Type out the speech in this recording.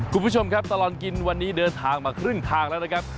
คุณผู้ชมครับตลอดกินวันนี้เดินทางมาครึ่งทางแล้วนะครับ